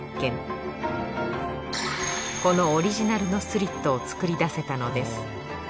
そう長年このオリジナルのスリットを作り出せたのです